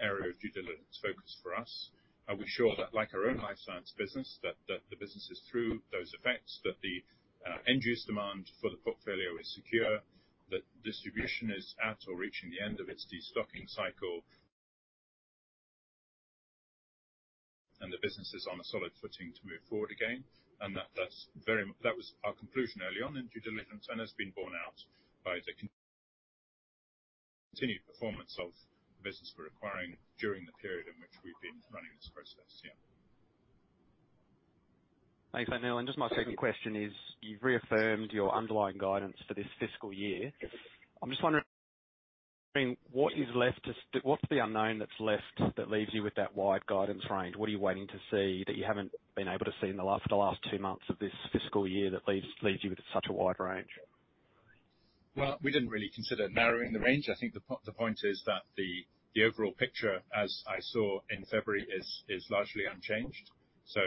area of due diligence focus for us. We're sure that like our own life science business, that the business is through those effects, that the end-use demand for the portfolio is secure, that distribution is at or reaching the end of its destocking cycle, and the business is on a solid footing to move forward again, and that that's very much that was our conclusion early on in due diligence and has been borne out by the continued performance of the business we're acquiring during the period in which we've been running this process, yeah. Thanks there, Neil. Just my second question is, you've reaffirmed your underlying guidance for this fiscal year. I'm just wondering what's the unknown that's left that leaves you with that wide guidance range? What are you waiting to see that you haven't been able to see in the last two months of this fiscal year that leaves you with such a wide range? Well, we didn't really consider narrowing the range. I think the point is that the overall picture as I saw in February is largely unchanged. So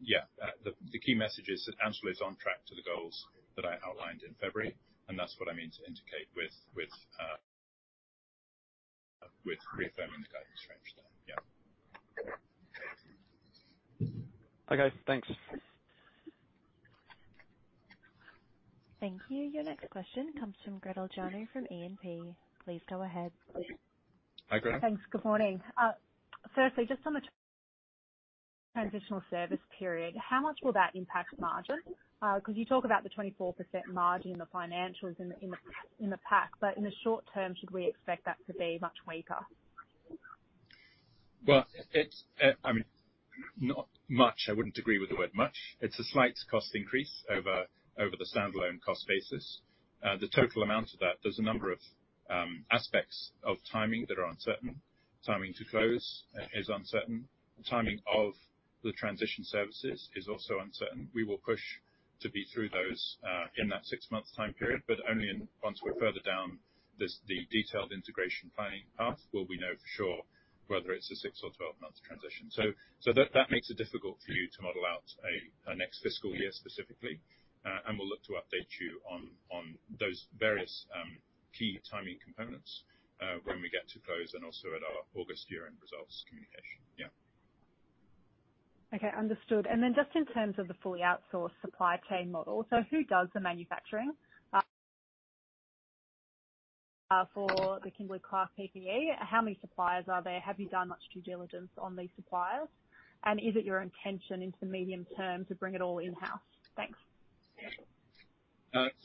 yeah, the key message is that Ansell is on track to the goals that I outlined in February, and that's what I mean to indicate with reaffirming the guidance range there, yeah. Okay, thanks. Thank you. Your next question comes from Gretel Janu from E&P. Please go ahead. Hi, Gretel. Hi, thanks. Good morning. Firstly, just on the transitional service period, how much will that impact margin? 'Cause you talk about the 24% margin in the financials in the pack, but in the short term, should we expect that to be much weaker? Well, I mean, not much. I wouldn't agree with the word much. It's a slight cost increase over the standalone cost basis. The total amount of that, there's a number of aspects of timing that are uncertain. Timing to close is uncertain. Timing of the transition services is also uncertain. We will push to be through those in that 6-month time period, but only once we're further down the detailed integration planning path will we know for sure whether it's a 6 or 12-month transition. So that makes it difficult for you to model out a next fiscal year specifically, and we'll look to update you on those various key timing components, when we get to close and also at our August year-end results communication, yeah. Okay, understood. And then just in terms of the fully outsourced supply chain model, so who does the manufacturing for the Kimberly-Clark PPE? How many suppliers are there? Have you done much due diligence on these suppliers, and is it your intention into the medium term to bring it all in-house? Thanks.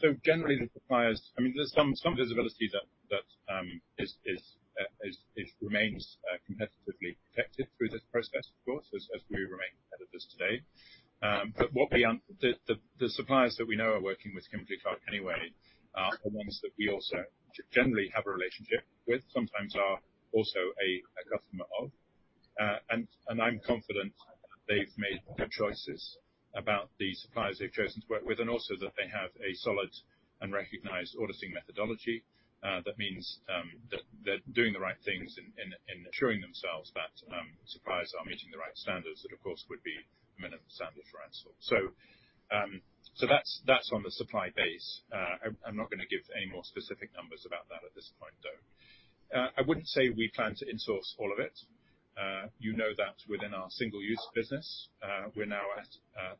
So generally, the suppliers, I mean, there's some visibility that remains competitively protected through this process, of course, as we remain competitors today. But what we understand, the suppliers that we know are working with Kimberly-Clark anyway, are ones that we also generally have a relationship with, sometimes are also a customer of. And I'm confident that they've made good choices about the suppliers they've chosen to work with and also that they have a solid and recognized auditing methodology that means that they're doing the right things in assuring themselves that suppliers are meeting the right standards that, of course, would be a minimum standard for Ansell. So that's on the supply base. I'm not gonna give any more specific numbers about that at this point, though. I wouldn't say we plan to insource all of it. You know that within our single-use business, we're now at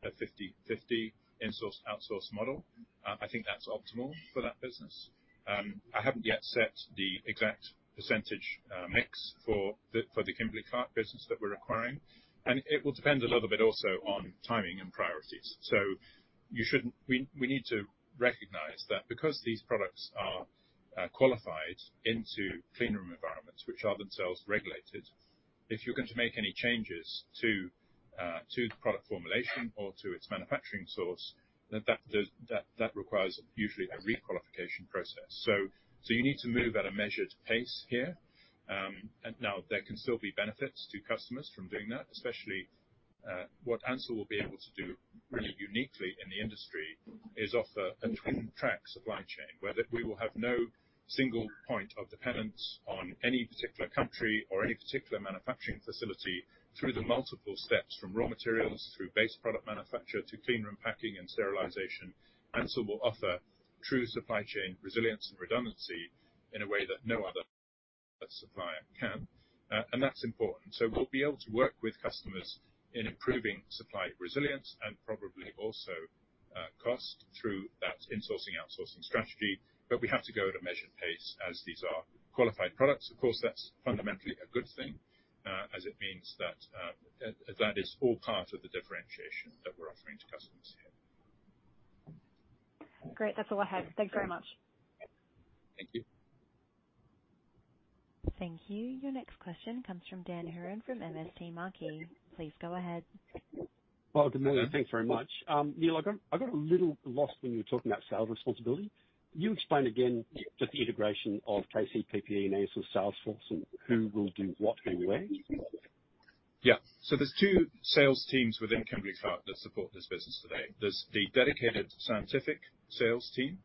a 50/50 insourced/outsourced model. I think that's optimal for that business. I haven't yet set the exact percentage mix for the Kimberly-Clark business that we're acquiring, and it will depend a little bit also on timing and priorities. So, you shouldn't. We need to recognize that because these products are qualified into cleanroom environments, which are themselves regulated. If you're going to make any changes to the product formulation or to its manufacturing source, that requires usually a requalification process. So, you need to move at a measured pace here. Now, there can still be benefits to customers from doing that, especially what Ansell will be able to do really uniquely in the industry is offer a twin-track supply chain where that we will have no single point of dependence on any particular country or any particular manufacturing facility. Through the multiple steps, from raw materials through base product manufacture to cleanroom packing and sterilization, Ansell will offer true supply chain resilience and redundancy in a way that no other supplier can. That's important. So we'll be able to work with customers in improving supply resilience and probably also cost through that insourcing/outsourcing strategy, but we have to go at a measured pace as these are qualified products. Of course, that's fundamentally a good thing, as it means that, that is all part of the differentiation that we're offering to customers here. Great. That's all I had. Thanks very much. Thank you. Thank you. Your next question comes from Dan Hurren from MST Marquee. Please go ahead. Well, good morning. Thanks very much. Neil, I got a little lost when you were talking about sales responsibility. You explain again just the integration of KC PPE and Ansell's sales force and who will do what and where. Yeah. So there's two sales teams within Kimberly-Clark that support this business today. There's the dedicated scientific sales team,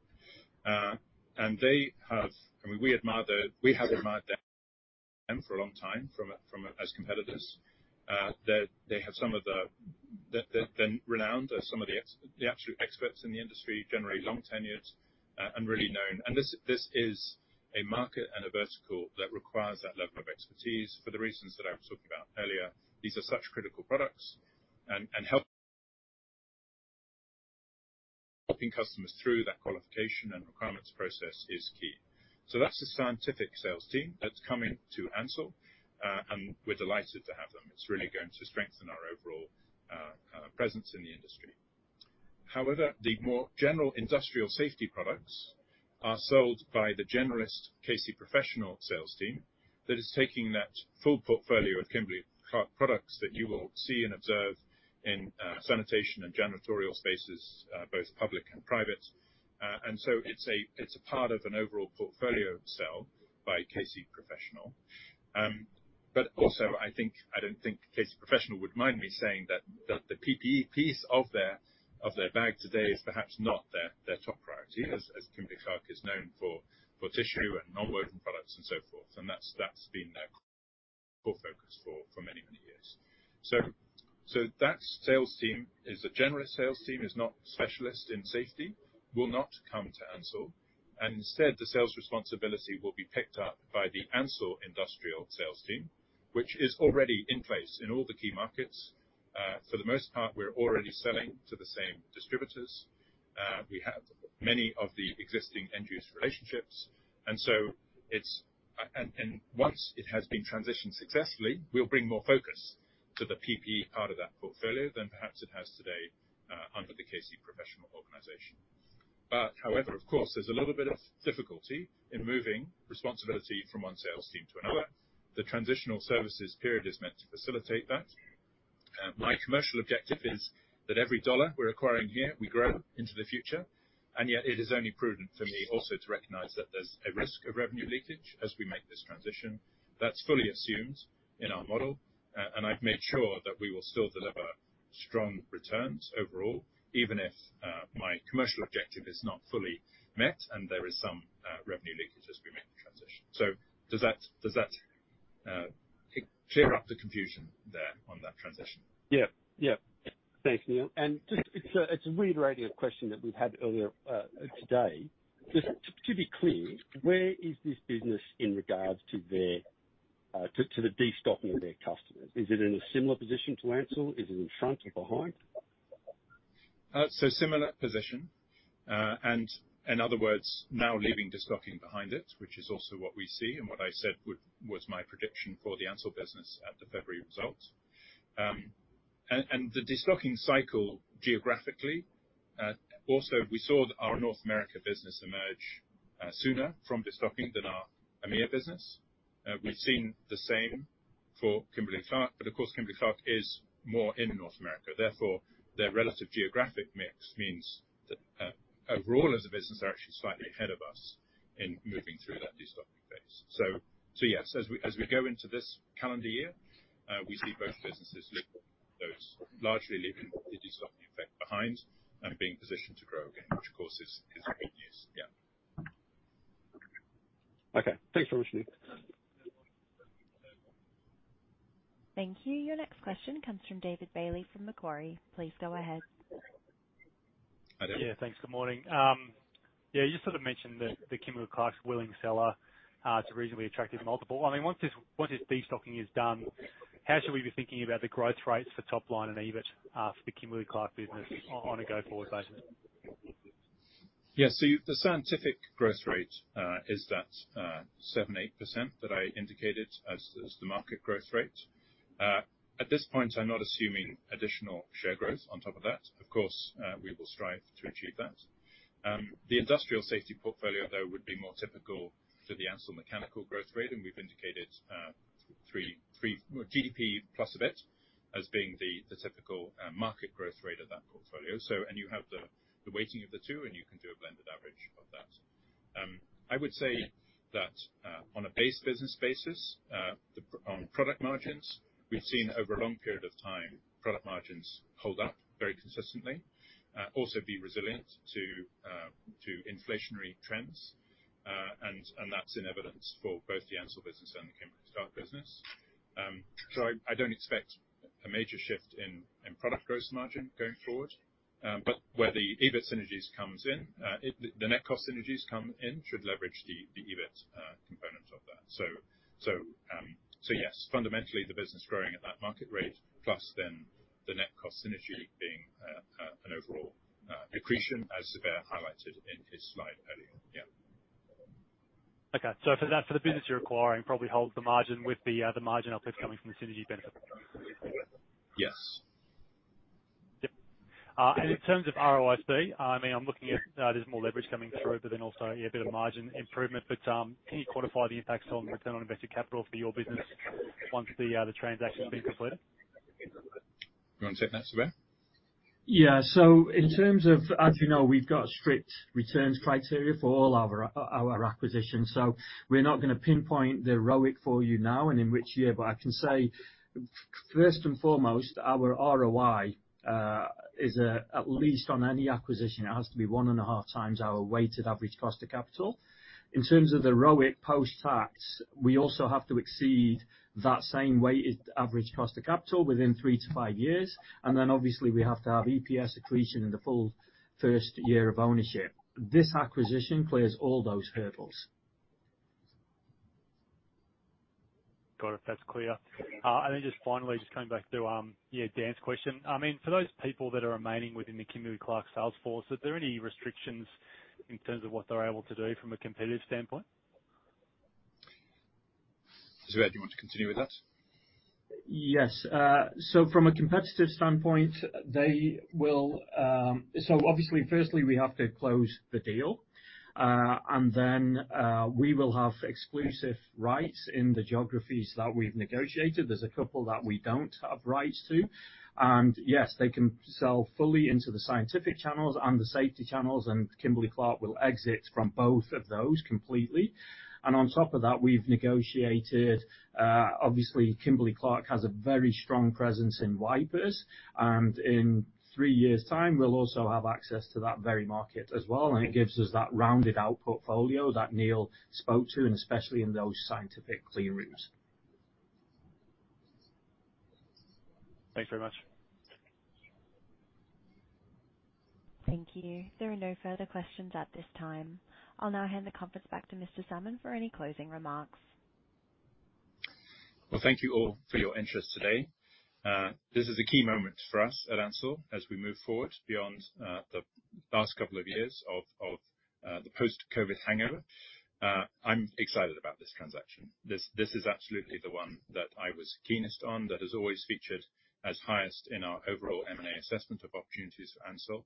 and they have—I mean, we admire their—we have admired them for a long time from afar as competitors. They have some of the—they're renowned as some of the absolute experts in the industry, generally long tenured, and really known. And this is a market and a vertical that requires that level of expertise for the reasons that I was talking about earlier. These are such critical products, and helping customers through that qualification and requirements process is key. So that's the scientific sales team that's coming to Ansell, and we're delighted to have them. It's really going to strengthen our overall presence in the industry. However, the more general industrial safety products are sold by the generalist KC Professional sales team that is taking that full portfolio of Kimberly-Clark products that you will see and observe in sanitation and janitorial spaces, both public and private. And so it's a part of an overall portfolio sell by KC Professional. But also, I don't think KC Professional would mind me saying that, that the PPE piece of their bag today is perhaps not their top priority as Kimberly-Clark is known for tissue and non-woven products and so forth, and that's been their core focus for many years. So, that sales team is a generalist sales team, is not specialist in safety, will not come to Ansell, and instead, the sales responsibility will be picked up by the Ansell industrial sales team, which is already in place in all the key markets. For the most part, we're already selling to the same distributors. We have many of the existing end-use relationships, and so it's and, and once it has been transitioned successfully, we'll bring more focus to the PPE part of that portfolio than perhaps it has today, under the KC Professional organization. But however, of course, there's a little bit of difficulty in moving responsibility from one sales team to another. The transitional services period is meant to facilitate that. My commercial objective is that every dollar we're acquiring here, we grow into the future, and yet, it is only prudent for me also to recognize that there's a risk of revenue leakage as we make this transition. That's fully assumed in our model, and I've made sure that we will still deliver strong returns overall even if, my commercial objective is not fully met and there is some, revenue leakage as we make the transition. So does that does that, clear up the confusion there on that transition? Yeah, yeah. Thanks, Neil. And just it's a reiterating a question that we've had earlier today. Just to be clear, where is this business in regards to the destocking of their customers? Is it in a similar position to Ansell? Is it in front or behind? So similar position, and in other words, now leaving destocking behind it, which is also what we see and what I said would be my prediction for the Ansell business at the February results. And the destocking cycle geographically, also, we saw our North America business emerge sooner from destocking than our EMEA business. We've seen the same for Kimberly-Clark, but of course, Kimberly-Clark is more in North America. Therefore, their relative geographic mix means that, overall, as a business, they're actually slightly ahead of us in moving through that destocking phase. So yes, as we go into this calendar year, we see both businesses leaving those largely leaving the destocking effect behind and being positioned to grow again, which of course is good news, yeah. Okay. Thanks very much, Neil. Thank you. Your next question comes from David Bailey from Macquarie. Please go ahead. I don't know. Yeah, thanks. Good morning. Yeah, you sort of mentioned that the Kimberly-Clark's willing seller is a reasonably attractive multiple. I mean, once this destocking is done, how should we be thinking about the growth rates for top line and EBIT for the Kimberly-Clark business on a go-forward basis? Yeah, so the scientific growth rate is that 7%-8% that I indicated as the market growth rate. At this point, I'm not assuming additional share growth on top of that. Of course, we will strive to achieve that. The industrial safety portfolio, though, would be more typical for the Ansell mechanical growth rate, and we've indicated 3-3 well, GDP plus a bit as being the typical market growth rate of that portfolio. So you have the weighting of the two, and you can do a blended average of that. I would say that, on a base business basis, the product margins we've seen over a long period of time, product margins hold up very consistently, also be resilient to inflationary trends, and that's in evidence for both the Ansell business and the Kimberly-Clark business. So I don't expect a major shift in product gross margin going forward, but where the EBIT synergies come in, the net cost synergies come in should leverage the EBIT component of that. So yes, fundamentally, the business growing at that market rate plus then the net cost synergy being an overall accretion as Zubair highlighted in his slide earlier, yeah. Okay. So for that for the business you're acquiring, probably holds the margin with the margin uplift coming from the synergy benefit? Yes. Yep. In terms of ROIC, I mean, I'm looking at, there's more leverage coming through but then also, yeah, a bit of margin improvement. But can you quantify the impacts on return on invested capital for your business once the transaction's been completed? You wanna take that, Zubair? Yeah. So in terms of as you know, we've got a strict returns criteria for all our our acquisitions, so we're not gonna pinpoint the ROIC for you now and in which year, but I can say first and foremost, our ROI is at least on any acquisition, it has to be 1.5 times our weighted average cost of capital. In terms of the ROIC post-tax, we also have to exceed that same weighted average cost of capital within 3-5 years, and then obviously, we have to have EPS accretion in the full first year of ownership. This acquisition clears all those hurdles. Got it. That's clear. And then just finally, just coming back to, yeah, Dan's question. I mean, for those people that are remaining within the Kimberly-Clark sales force, are there any restrictions in terms of what they're able to do from a competitive standpoint? Zubair, do you want to continue with that? Yes. So from a competitive standpoint, they will, so obviously, firstly, we have to close the deal, and then, we will have exclusive rights in the geographies that we've negotiated. There's a couple that we don't have rights to. And yes, they can sell fully into the scientific channels and the safety channels, and Kimberly-Clark will exit from both of those completely. And on top of that, we've negotiated, obviously, Kimberly-Clark has a very strong presence in wipers, and in three years' time, we'll also have access to that very market as well, and it gives us that rounded-out portfolio that Neil spoke to, and especially in those scientific cleanrooms. Thanks very much. Thank you. There are no further questions at this time. I'll now hand the conference back to Mr. Salmon for any closing remarks. Well, thank you all for your interest today. This is a key moment for us at Ansell as we move forward beyond the last couple of years of the post-COVID hangover. I'm excited about this transaction. This is absolutely the one that I was keenest on, that has always featured as highest in our overall M&A assessment of opportunities for Ansell.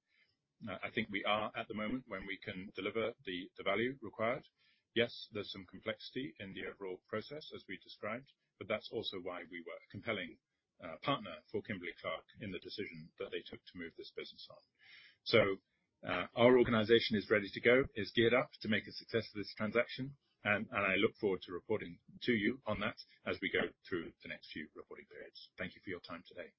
I think we are at the moment when we can deliver the value required. Yes, there's some complexity in the overall process as we described, but that's also why we were a compelling partner for Kimberly-Clark in the decision that they took to move this business on. So, our organization is ready to go, is geared up to make a success of this transaction, and I look forward to reporting to you on that as we go through the next few reporting periods. Thank you for your time today.